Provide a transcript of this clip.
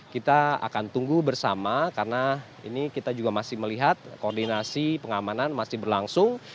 kita akan tunggu bersama karena ini kita juga masih melihat koordinasi pengamanan masih berlangsung